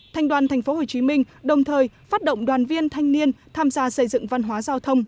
thành đoàn tp hcm đồng thời phát động đoàn viên thanh niên tham gia xây dựng văn hóa giao thông